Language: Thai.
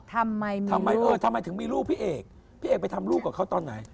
ทำไมเออทำไมถึงมีลูกพี่เอกพี่เอกไปทำลูกกับเขาตอนไหน